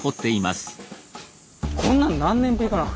こんなの何年ぶりかな。